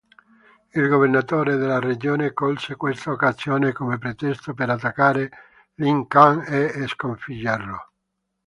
Il governatore della regione colse questa occasione come pretesto per attaccare l'Ilkhan e sconfiggerlo.